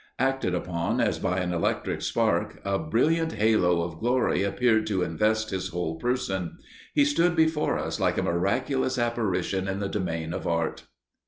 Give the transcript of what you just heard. Acted upon as by an electric spark, a brilliant halo of glory appeared to invest his whole person; he stood before us like a miraculous apparition in the domain of art."